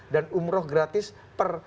dan umroh gratis per